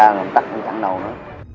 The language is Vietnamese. rồi tắt em chẳng đầu nữa